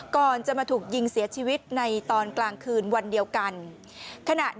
ก่อนจะมาถูกยิงเสียชีวิตในตอนกลางคืนวันเดียวกัน